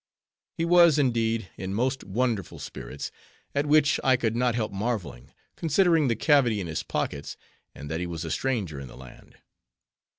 He was, indeed, in most wonderful spirits; at which I could not help marveling; considering the cavity in his pockets; and that he was a stranger in the land.